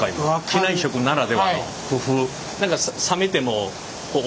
機内食ならではの工夫。